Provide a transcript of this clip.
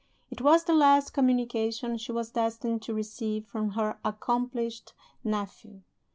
It was the last communication she was destined to receive from her accomplished nephew.